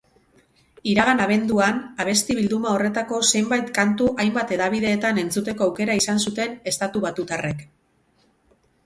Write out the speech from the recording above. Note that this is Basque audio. Iragan abenduan abesti bilduma horretako zenbait kantu hainbathedabidetan entzuteko aukera izan zuten estatubatutarrek.